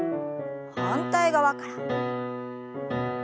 反対側から。